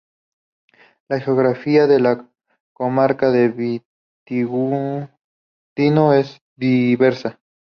La geografía de la comarca de Vitigudino es muy diversa.